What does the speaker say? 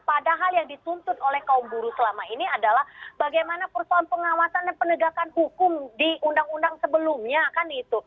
padahal yang dituntut oleh kaum buruh selama ini adalah bagaimana persoalan pengawasan dan penegakan hukum di undang undang sebelumnya kan itu